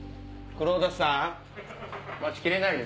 黒田さん？